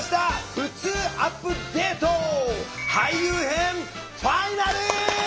「ふつうアップデート俳優編ファイナル」！